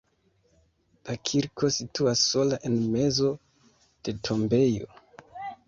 La kirko situas sola en mezo de tombejo.